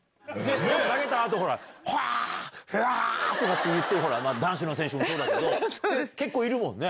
投げたあと、ほら、うおーとか、うわぁ！とかって言ってる、男子の選手もそうだけど、結構いるもんね？